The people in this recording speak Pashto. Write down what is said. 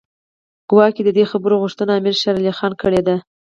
ګواکې د دې خبرو غوښتنه امیر شېر علي خان کړې ده.